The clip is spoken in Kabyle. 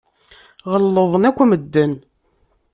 Ɣellḍen akk medden.